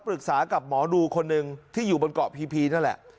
ปรึกษากับหมอดูคนหนึ่งที่อยู่บนเกาะพีนั่นแหละ